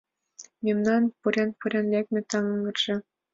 Мемнан пурен-лекме такырже.